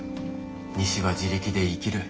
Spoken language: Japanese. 西は自力で生きる。